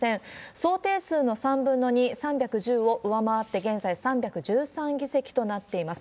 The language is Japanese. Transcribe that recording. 総定数の３分の２、３１０を上回って、現在３１３議席となっています。